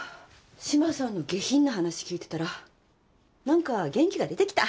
志麻さんの下品な話聞いてたら何か元気が出てきた。